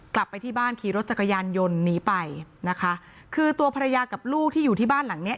กลับไปที่บ้านขี่รถจักรยานยนต์หนีไปนะคะคือตัวภรรยากับลูกที่อยู่ที่บ้านหลังเนี้ย